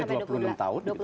dua puluh enam tahun